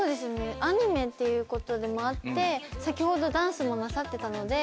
アニメっていうことでもあって先ほどダンスもなさってたので。